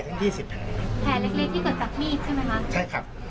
แผลเล็กที่เกิดจากมีดใช่ไหมครับ